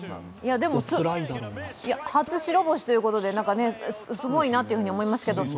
でも、初白星ということですごいと思いますけど。